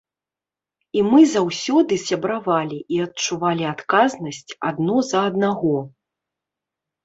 І мы заўсёды сябравалі і адчувалі адказнасць адно за аднаго.